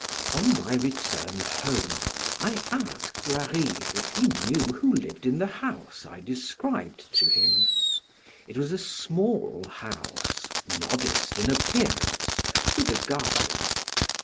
On my return home, I asked Larive if he knew who lived in the house I described to him; it was a small house, modest in appearance, with a garden.